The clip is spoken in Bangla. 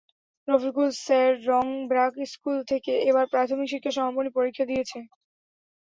রফিকুল সাররং ব্র্যাক স্কুল থেকে এবার প্রাথমিক শিক্ষা সমাপনী পরীক্ষা দিয়েছে।